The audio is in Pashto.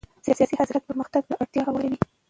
سیاسي اصلاحات پرمختګ ته لاره هواروي